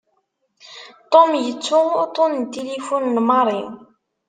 Tom yettu uṭṭun n tilifun n Mary.